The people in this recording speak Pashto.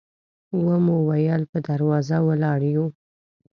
و مو ویل په دروازه ولاړ یو.